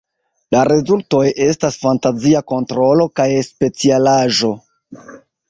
La rezultoj estas fantazia kontrolo kaj specialaĵo.